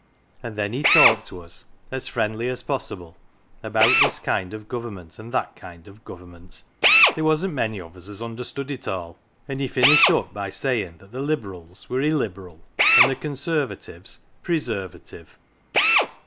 And then he talked to us as friendly as possible, about this kind of Government and that kind of Government there wasn't many of us as understood it all and he finished up by sayin' that the Liberals were Illiberal, and the Conservatives Preservative.